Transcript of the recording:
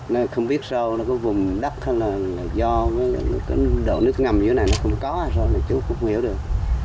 nên không biết sao nó có vùng đất hay là do với cái độ nước ngầm dưới này nó không có hay sao là chú cũng không hiểu được